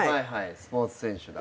スポーツ選手だ。